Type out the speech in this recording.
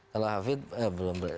kalau hafiz belum